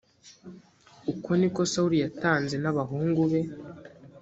uko ni ko sawuli yatanze n abahungu be